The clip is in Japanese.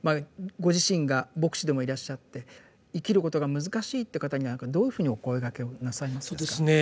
ご自身が牧師でもいらっしゃって生きることが難しいって方にはどういうふうにお声がけをなさいますですか。